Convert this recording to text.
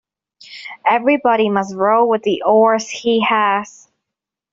Everybody must row with the oars he has.